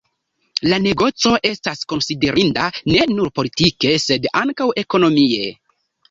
La negoco estas konsiderinda ne nur politike, sed ankaŭ ekonomie.